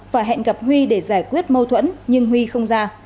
và hẹn gặp huy để giải quyết mâu thuẫn nhưng huy không ra